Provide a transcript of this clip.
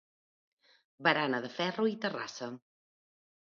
Barana de ferro i terrassa.